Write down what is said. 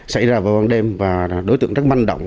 xảy ra vào ban đêm và đối tượng rất manh động